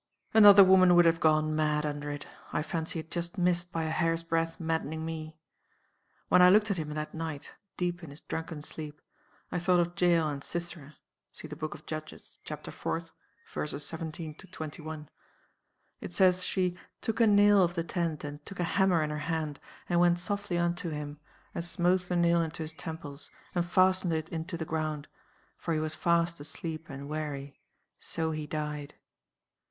"Another woman would have gone mad under it. I fancy it just missed, by a hair's breadth, maddening Me. "When I looked at him that night, deep in his drunken sleep, I thought of Jael and Sisera (see the book of Judges; chapter 4th; verses 17 to 21). It says, she 'took a nail of the tent, and took a hammer in her hand, and went softly unto him, and smote the nail into his temples, and fastened it into the ground: for he was fast asleep and weary. So he died.